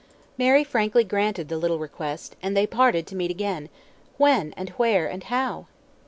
Mary frankly granted the little request, and they parted to meet again when, and where, and how?